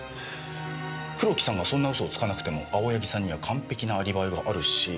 黒木さんがそんな嘘をつかなくても青柳さんには完璧なアリバイがあるし。